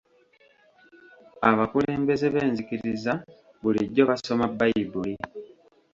Abakulembeze b'enzikiriza bulijjo basoma Bbayibuli.